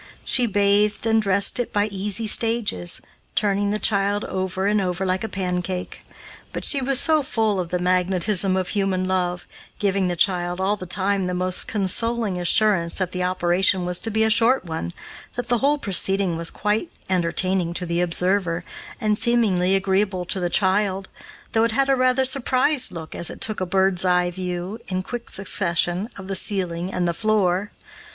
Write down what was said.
She bathed and dressed it by easy stages, turning the child over and over like a pancake. But she was so full of the magnetism of human love, giving the child, all the time, the most consoling assurance that the operation was to be a short one, that the whole proceeding was quite entertaining to the observer and seemingly agreeable to the child, though it had a rather surprised look as it took a bird's eye view, in quick succession, of the ceiling and the floor.